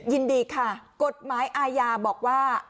ยินดีค่ะกฎหมายอาญาบอกว่า